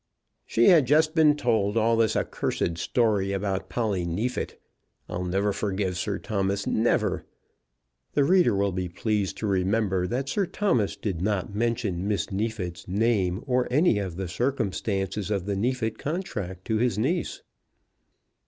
She had just been told all this accursed story about Polly Neefit. I'll never forgive Sir Thomas, never." The reader will be pleased to remember that Sir Thomas did not mention Miss Neefit's name, or any of the circumstances of the Neefit contract, to his niece.